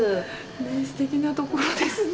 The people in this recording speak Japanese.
すてきなところですね。